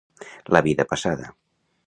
La vida passada.